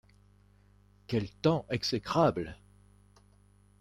Quel temps exécrable !